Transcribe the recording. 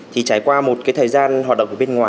thì trải qua một cái thời gian hoạt động ở bên ngoài